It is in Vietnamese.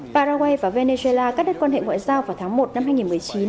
paraguay và venezuela cắt đứt quan hệ ngoại giao vào tháng một năm hai nghìn một mươi chín